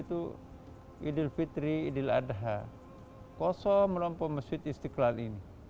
momen idul fitri dan idul latha istiqlal biasanya dipadati oleh umat yang ingin beribadah